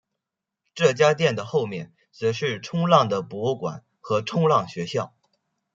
这家店的后面则是冲浪的博物馆和冲浪学校。